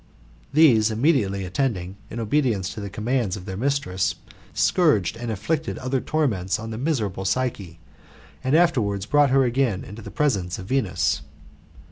These immediately attending, in obedience to the commands of their mistress, scourged and inflicted other torments on the miserable Psyche, and afterwards brought her again into the presence of Venus.